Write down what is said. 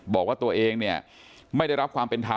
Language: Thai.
บอกว่าตัวเองเนี่ยไม่ได้รับความเป็นธรรม